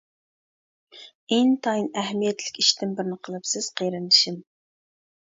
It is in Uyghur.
ئىنتايىن ئەھمىيەتلىك ئىشتىن بىرنى قىلىپسىز قېرىندىشىم!